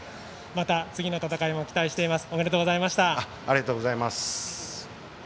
また次の戦いも期待しています。